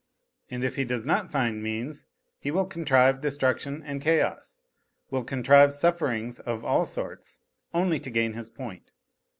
And if he does not find .means he will contrive destruction and chaos, will contrive sufferings of all sorts, only to gain his point